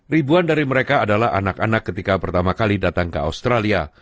ribuan dari mereka adalah anak anak ketika pertama kali datang ke australia